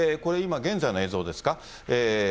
これ、今現在の映像ですか？